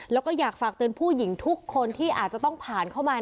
แล้วก็อยากฝากเตือนผู้หญิงทุกคนที่อาจจะต้องผ่านเข้ามา